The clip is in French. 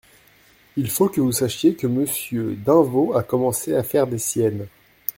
Il faut que vous sachiez que Monsieur d'Invaux a commencé à faire des siennes.